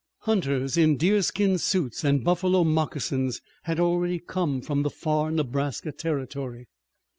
Hunters in deerskin suits and buffalo moccasins had already come from the far Nebraska Territory.